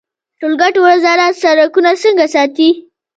د ټولګټو وزارت سړکونه څنګه ساتي؟